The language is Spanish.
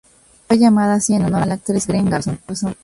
Fue llamada así en honor a la actriz Greer Garson.